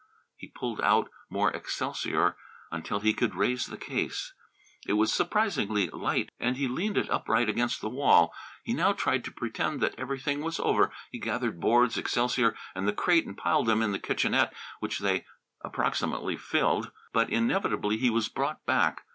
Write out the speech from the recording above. He pulled out more excelsior until he could raise the case. It was surprisingly light and he leaned it upright against the wall. He now tried to pretend that everything was over. He gathered boards, excelsior and the crate and piled them in the kitchenette, which they approximately filled. But inevitably he was brought back.